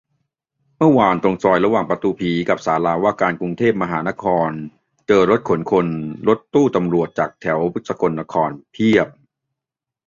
เมื่อวานตรงซอยระหว่างประตูผีกับศาลาว่าการกรุงเทพมหานคร เจอรถขนคน-รถตู้ตำรวจจากแถวสกลนครเพียบ